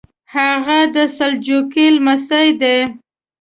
هغه د سلجوقي لمسی دی.